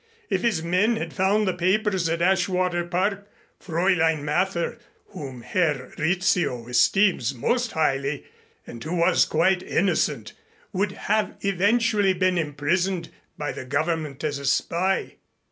If his men had found the papers at Ashwater Park, Fräulein Mather, whom Herr Rizzio esteems most highly and who was quite innocent, would have eventually been imprisoned by the Government as a spy.